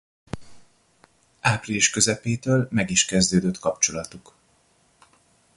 Április közepétől meg is kezdődött kapcsolatuk.